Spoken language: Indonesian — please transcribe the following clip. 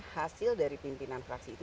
hasil dari pimpinan fraksi itu